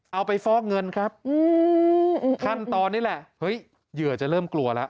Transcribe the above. เอาไปฟอกเงินครับขั้นตอนนี้แหละเฮ้ยเหยื่อจะเริ่มกลัวแล้ว